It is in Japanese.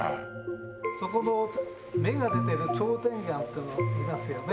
そこの目が出てる頂天眼っていうのいますよね。